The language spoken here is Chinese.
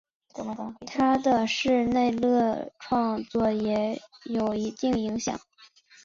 他的室内乐创作也有一定影响。